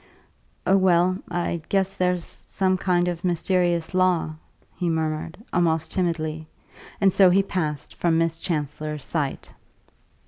"Oh, well, I guess there's some kind of mysterious law...." he murmured, almost timidly; and so he passed from Miss Chancellor's sight.